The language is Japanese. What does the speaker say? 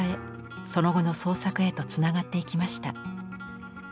その後の創作へとつながっていきました。